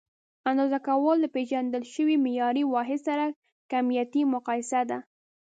اندازه کول له پیژندل شوي معیاري واحد سره کمیتي مقایسه ده.